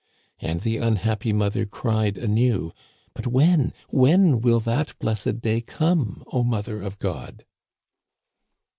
And the unhappy mother cried anew :"* But when, when will that blessed day come, O Mother of God